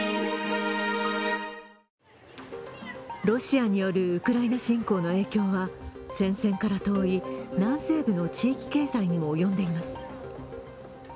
ロシアによるウクライナ侵攻の影響は戦線から遠い南西部の地域経済にも及んでいます。